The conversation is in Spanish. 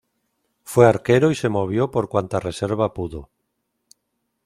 Fue arquero y se movió por cuanta reserva pudo.